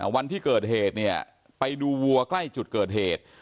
วันที่เกิดเหตุเนี่ยไปดูวัวใกล้จุดเกิดเหตุ